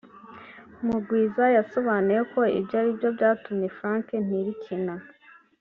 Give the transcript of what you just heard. Mugwiza yasobanuye ko ibyo aribyo byatumye Frank Ntilikina